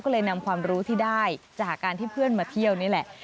ก็เลยนำความรู้ที่ได้จากการที่เพื่อนมาเที่ยวนี่แหละ